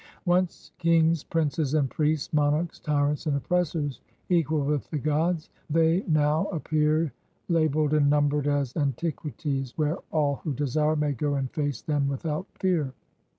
Once kings, princes, and priests, monarchs, tyrants, and oppressors, "equal with the gods," — they now appear labeled and numbered as "antiquities," where all who desire may go and face them without fear.